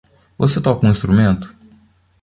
Você toca um instrumento?